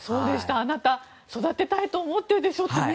あなた、育てたいと思っているでしょって。